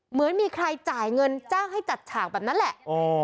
เหมือนมีใครจ่ายเงินจ้างให้จัดฉากแบบนั้นแหละ